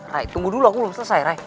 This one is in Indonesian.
ray tunggu dulu aku belum selesai ray